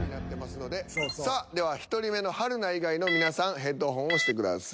さあでは１人目の春菜以外の皆さんヘッドホンをしてください。